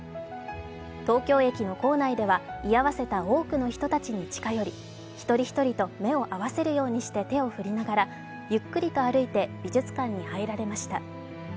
東京駅の構内では居合わせた多くの人たちに近寄り一人一人と目を合わせるようにして手を振りながら、ゆっくりと歩いて美術館に入られました。